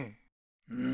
うん。